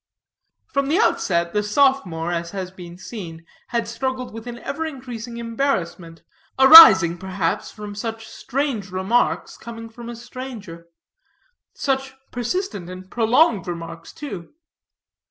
From the outset, the sophomore, as has been seen, had struggled with an ever increasing embarrassment, arising, perhaps, from such strange remarks coming from a stranger such persistent and prolonged remarks, too.